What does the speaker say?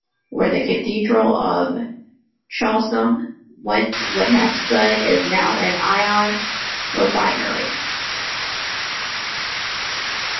Where the Cathedral of Chalesm once would have stood is now an ion refinery.